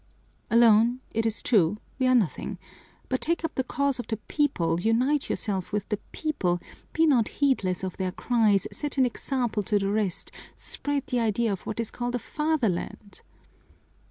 "Alone, it is true, we are nothing, but take up the cause of the people, unite yourself with the people, be not heedless of their cries, set an example to the rest, spread the idea of what is called a fatherland!"